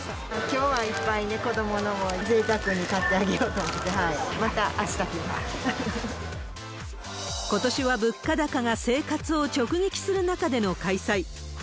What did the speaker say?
きょうはいっぱいね、子どものものをぜいたくに買ってあげようと思って、またあした来ことしは物価高が生活を直撃する中での開催。